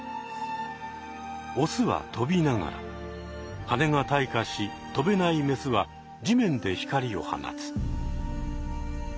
オスは飛びながらはねが退化し飛べないメスは地面で光を放つ。